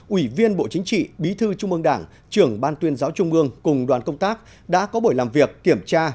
ủy viên bộ chính trị bí thư trung ương đảng trưởng ban tuyên giáo trung ương cùng đoàn công tác đã có buổi làm việc kiểm tra